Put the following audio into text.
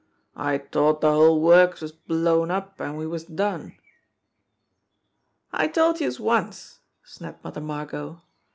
"I t'ought de whole works was blown up an' we was done!" "I told youse once," snapped Mother Margot.